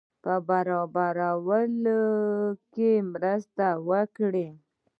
په برابرولو کې مرسته وکړي.